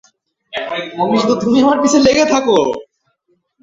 কিন্তু তুমি আমার পিছে লেগে থাকো?